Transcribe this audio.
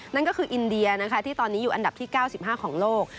นั่นก็คืออินเดียนะคะที่ตอนนี้อยู่อันดับที่๙๕ของโลก